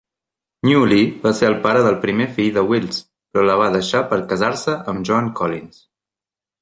Newley va ser el pare del primer fill de Wills, però la va deixar per casar-se amb Joan Collins.